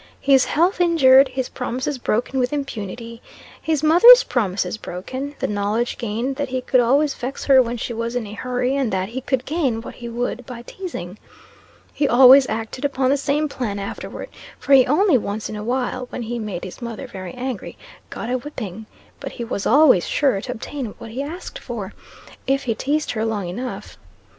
His health injured his promises broken with impunity his mother's promises broken the knowledge gained that he could always vex her when she was in a hurry and that he could gain what he would by teasing. He always acted upon the same plan afterward; for he only once in a while (when he made his mother very angry) got a whipping; but he was always sure to obtain what he asked for, if he teased her long enough.